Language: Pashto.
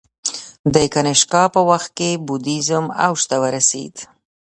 د کنیشکا په وخت کې بودیزم اوج ته ورسید